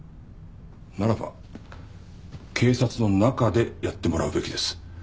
ならば警察の中でやってもらうべきです。